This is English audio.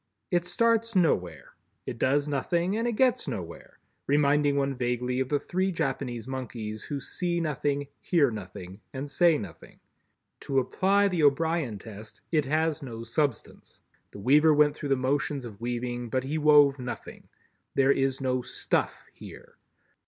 It starts nowhere, it does nothing and it gets nowhere, reminding one vaguely of the three Japanese monkeys who see nothing, hear nothing and say nothing. To apply the O'Brien test, it has no Substance. The weaver went through the motions of weaving, but he wove nothing. There is no "stuff" here.